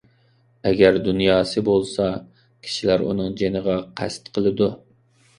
ئەگەر دۇنياسى بولسا، كىشىلەر ئۇنىڭ جېنىغا قەست قىلىدۇ.